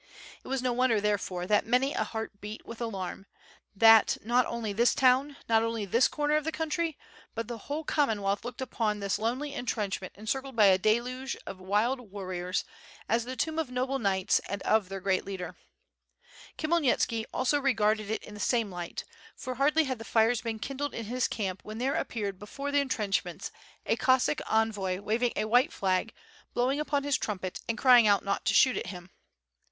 It was no wonder therefore, that many a heart beat with alarm; that not only this town, not only this corner af the country, but the whole Common wealth looked upon this lonely entrenchment circled by a WITH FIRE AND SWORD, 699 deluge of wild warriors as the tomb of noble knights and of their great leader. Khmyelnitski also regarded it in the same light, for hardly had the fires been kindled in his camp when there appeared before the entrenchments a Cossack envoy waving a white flag, blowing upon his trumpet and crying out not to shoot at him.